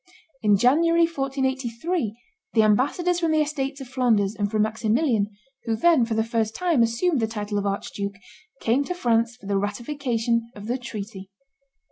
In January, 1483, the ambassadors from the estates of Flanders and from Maximilian, who then for the first time assumed the title of archduke, came to France for the ratification of the treaty.